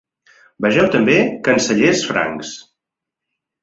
Vegeu també Cancellers francs.